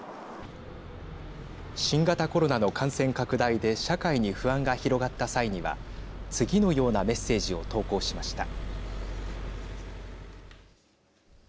新型コロナの感染拡大で社会に不安が広がった際には次のようなメッセージを投稿しました。